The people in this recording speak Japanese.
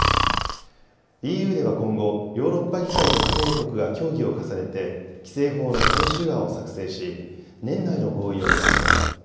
ＥＵでは今後、ヨーロッパ議会と加盟国が協議を重ねて、規制法の最終案を作成し、年内の合意を目指します。